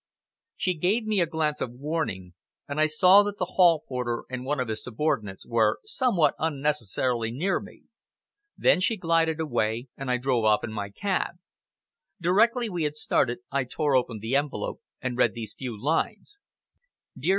She gave me a glance of warning, and I saw that the hall porter and one of his subordinates were somewhat unnecessarily near me. Then she glided away, and I drove off in my cab. Directly we had started, I tore open the envelope and read these few lines. "DEAR MR.